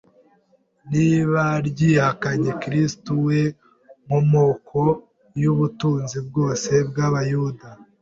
riba ryihakanye Kristo, we nkomoko y’ubutunzi bwose bw’Abayuda.